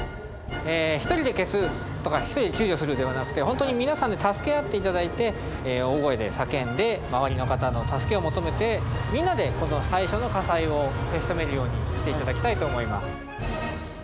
一人で消すとか一人で救助するではなくて本当に皆さんで助け合っていただいて大声で叫んで周りの方の助けを求めてみんなでこの最初の火災を消し止めるようにしていただきたいと思います。